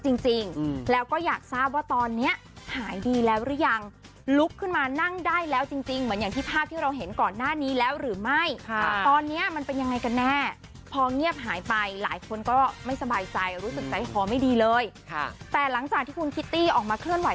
จริงจริงแล้วก็อยากทราบว่าตอนเนี้ยหายดีแล้วหรือยังลุกขึ้นมานั่งได้แล้วจริงจริงเหมือนอย่างที่ภาพที่เราเห็นก่อนหน้านี้แล้วหรือไม่ค่ะตอนนี้มันเป็นยังไงกันแน่พอเงียบหายไปหลายคนก็ไม่สบายใจรู้สึกใจคอไม่ดีเลยค่ะแต่หลังจากที่คุณคิตตี้ออกมาเคลื่อนไห